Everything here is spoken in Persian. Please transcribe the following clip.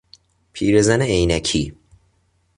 پیرزن عینکی